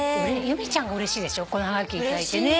由美ちゃんがうれしいでしょこのおはがき頂いてね。